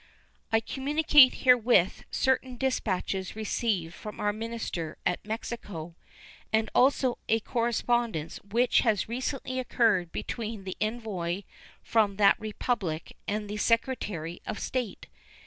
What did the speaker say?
I communicate herewith certain dispatches received from our minister at Mexico, and also a correspondence which has recently occurred between the envoy from that Republic and the Secretary of State.